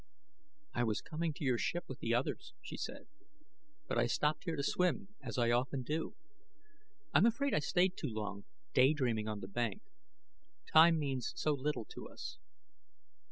"I was coming to your ship with the others," she said, "but I stopped here to swim, as I often do. I'm afraid I stayed too long, day dreaming on the bank; time means so little to us."